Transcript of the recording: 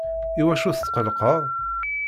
Iwacu tetqllqeḍ?